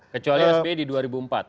kecuali sby di dua ribu empat